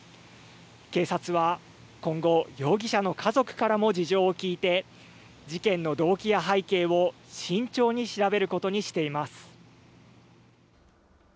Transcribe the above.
警察は今後、容疑者の家族からも事情を聴いて、事件の動機や背景を慎重に調べることにしています。